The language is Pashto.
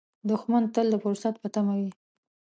دښمن تل د فرصت په تمه وي